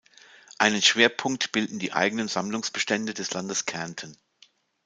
Einen Schwerpunkt bilden die eigenen Sammlungsbestände des Landes Kärnten.